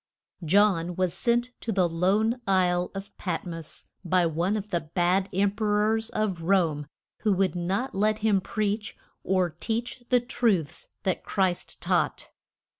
John was sent to the lone isle of Pat mos by one of the bad Em pe rors of Rome, who would not let him preach or teach the truths that Christ taught.